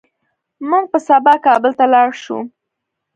موږ به سبا کابل ته لاړ شو